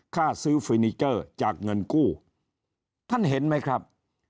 ค่าซื้อฟินิเจอร์จากเงินกู้ท่านเห็นไหมครับ